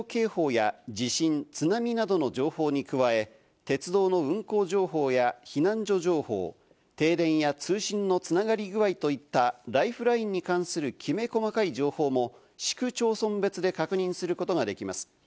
サイトでは気象警報や地震、津波などの情報に加え、鉄道の運行情報や避難所情報、停電や通信の繋がり具合といったライフラインに関するきめ細かい情報も市区町村別で確認することができます。